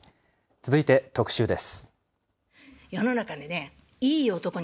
続いて特集です。